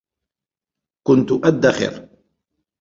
كنت أدخر